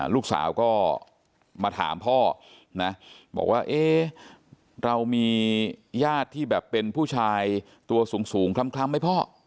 ลูกสาวก็มาถามพ่อนะบอกว่าเอ๊ะเรามีญาติที่แบบเป็นผู้ชายตัวสูงคล้ำไหมพ่อ